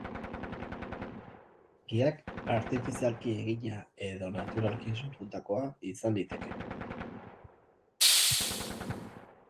Gizakiak artifizialki egina edo naturalki sortutakoa izan liteke.